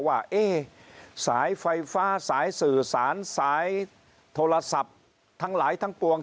ว่าสายไฟฟ้าสายสื่อสารสายโทรศัพท์ทั้งหลายทั้งปวง